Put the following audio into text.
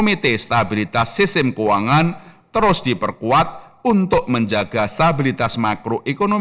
mereka bisa tersama dengan lien